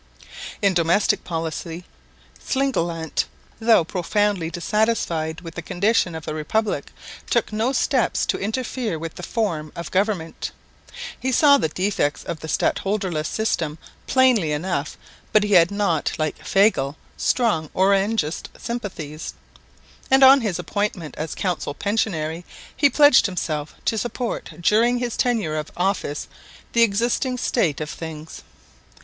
In domestic policy Slingelandt, though profoundly dissatisfied with the condition of the Republic, took no steps to interfere with the form of government. He saw the defects of the stadholderless system plainly enough, but he had not, like Fagel, strong Orangist sympathies; and on his appointment as council pensionary he pledged himself to support during his tenure of office the existing state of things.